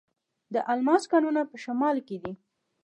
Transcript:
د الماس کانونه په شمال کې دي.